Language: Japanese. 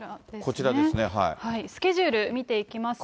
スケジュール見ていきますと。